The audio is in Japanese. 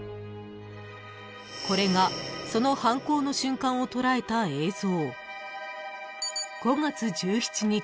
［これがその犯行の瞬間を捉えた映像］